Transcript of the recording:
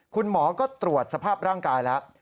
คุณหมอก็ตรวจสภาพร่างกายแล้ว